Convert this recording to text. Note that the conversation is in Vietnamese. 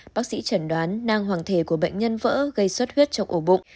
bác sĩ chẩn đoán nang hoàng thể của bệnh nhân vỡ gây suất huyết trong ổ bụng